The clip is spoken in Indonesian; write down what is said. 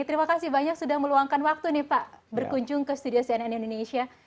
terima kasih banyak sudah meluangkan waktu nih pak berkunjung ke studio cnn indonesia